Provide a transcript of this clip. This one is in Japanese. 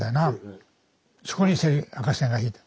そこに赤線が引いてある。